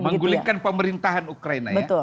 menggulingkan pemerintahan ukraina ya